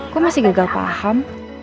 kok masih gagal paham